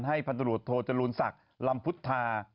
ให้พันธุรุตโทจรุณศักดิ์ลำพุทธา